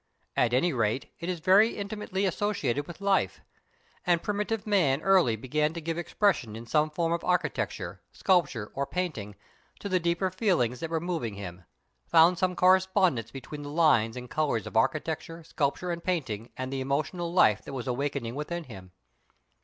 At any rate it is very intimately associated with life; and primitive man early began to give expression in some form of architecture, sculpture, or painting to the deeper feelings that were moving him; found some correspondence between the lines and colours of architecture, sculpture, and painting and the emotional life that was awakening within him.